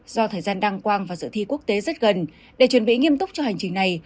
do thời gian đăng quang và dự thi quốc tế rất gần để chuẩn bị nghiêm túc cho hành trình này